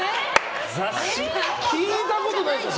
聞いたことないですよ